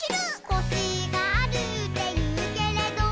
「コシがあるっていうけれど」